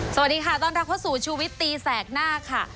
สวัสดีค่ะต้อนรับเข้าสู่ชูวิตตีแสกหน้าค่ะ